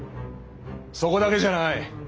そこだけじゃない！